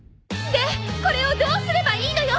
でこれをどうすればいいのよ！